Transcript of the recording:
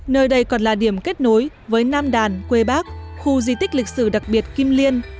nơi đây còn là điểm kết nối với nam đàn quê bác khu di tích lịch sử đặc biệt kim liên